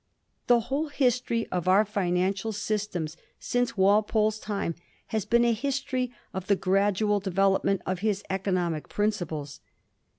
The whole history of our financial systems since Walpole's time has been a history of the gradual development of his economic principles.